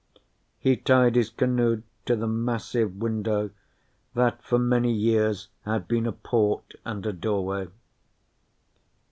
He tied his canoe to the massive window that for many years had been a port and a doorway.